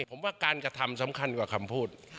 ผมว่าการกระทำสำคัญกว่าคำพูด